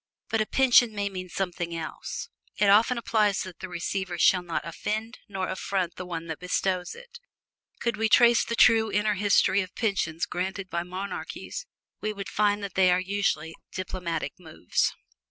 But a pension may mean something else: it often implies that the receiver shall not offend nor affront the one that bestows it. Could we trace the true inner history of pensions granted by monarchies, we would find that they are usually diplomatic moves.